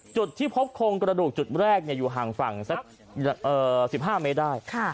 จุดที่พบโครงกระดูกจุดแรกอยู่ห่างฝั่งสัก๑๕เมตรได้